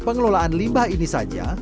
pengelolaan limbah ini saja